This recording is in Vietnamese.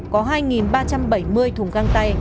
có hai ba trăm bảy mươi thùng găng tay